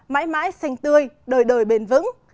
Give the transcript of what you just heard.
mãi mãi sành tươi đời đời bền vững